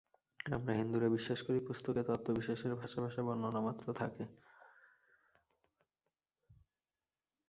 আমরা হিন্দুরা বিশ্বাস করি, পুস্তকে তত্ত্ববিশেষের ভাসা-ভাসা বর্ণনামাত্র থাকে।